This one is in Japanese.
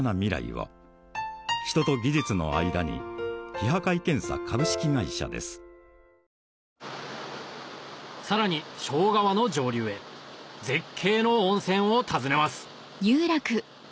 次は絶景の露天風呂へさらに庄川の上流へ絶景の温泉を訪ねます